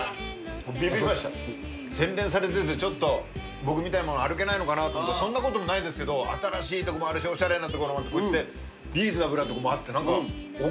洗練されてて僕みたいな者歩けないのかなと思ったらそんなこともないですけど新しいとこもあるしおしゃれな所もこうやってリーズナブルなとこもあって何か。